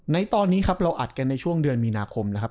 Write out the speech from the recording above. ในตอนนี้ครับเราอัดกันในช่วงเดือนมีนาคมนะครับ